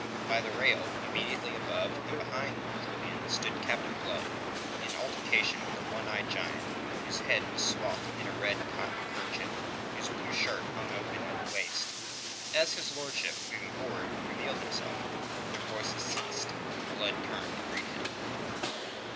By the rail, immediately above and behind Lord Julian, stood Captain Blood in altercation with a one eyed giant, whose head was swathed in a red cotton kerchief, whose blue shirt hung open at the waist. As his lordship, moving forward, revealed himself, their voices ceased, and Blood turned to greet him.